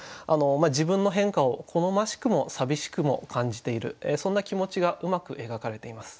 自分の変化を好ましくも寂しくも感じているそんな気持ちがうまく描かれています。